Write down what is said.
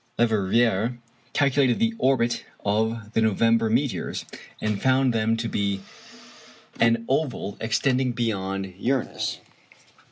Leverrier calculated the orbit of the November meteors, and found them to be an oval extending beyond Uranus.